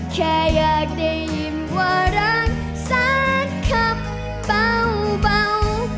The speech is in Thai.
แค่อยากได้ยินว่ารักสักคำเบา